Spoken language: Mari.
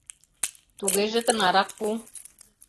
— Тугеже тынарак пу.